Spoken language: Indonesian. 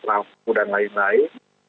lampu dan lain lain